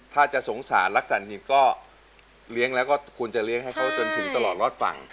ถ้าจะสงสารรักสัตว์หิบก็เลี้ยงแล้วก็ควรจะเลี้ยงให้เขาจนถึงตลอดรอดฝั่ง